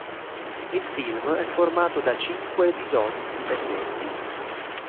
Il film è formato da cinque episodi indipendenti.